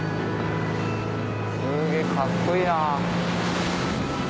すげぇかっこいいな。